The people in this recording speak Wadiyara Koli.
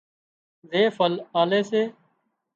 زي ڦل آلي سي